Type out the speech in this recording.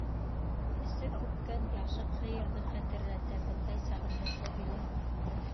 Эсе күпкән яшыҡ һыйырҙы хәтерләтә бындай сағында Сәбилә.